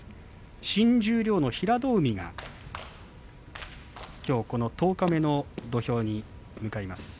新十両の平戸海がこの十日目の土俵に向かいます。